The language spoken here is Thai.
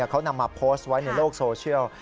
เขานำมาโพสต์ไว้ในโลกโซเชียล